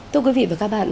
thưa quý vị và các bạn